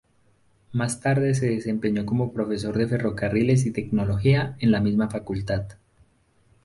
Más tarde se desempeñó como profesor de Ferrocarriles y Tecnología en la misma facultad.